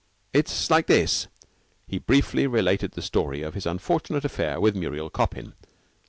It's like this." He briefly related the story of his unfortunate affair with Muriel Coppin.